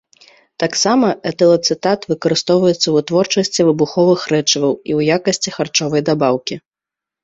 Таксама этылацэтат выкарыстоўваецца ў вытворчасці выбуховых рэчываў і ў якасці харчовай дабаўкі.